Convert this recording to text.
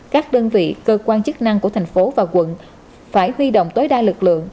các đơn vị cơ quan chức năng của thành phố và quận phải huy động tối đa lực lượng